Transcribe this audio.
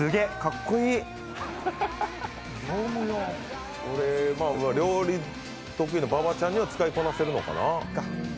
これ、料理得意な馬場ちゃんには使いこなせるのかな？